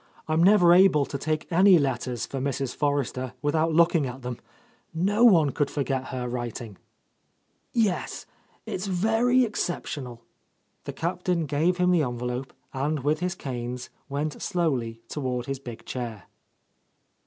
I'm never able to take any letters for Mrs. Forrester without looking at them. No one could forget her writing." "Yes. It's very exceptional." The Captain gave him the envelope, and with his canes went slowly toward his big chair.